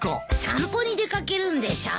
散歩に出掛けるんでしょ？